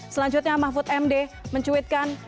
selanjutnya mahfud md mencuitkan